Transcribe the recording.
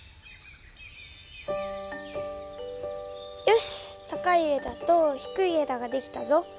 よし高い枝と低い枝ができたぞ。